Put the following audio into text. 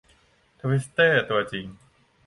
ทวิสเตอร์ ตัวจริง